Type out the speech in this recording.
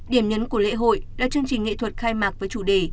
điểm nhấn của lễ hội là chương trình nghệ thuật khai mạc với chủ đề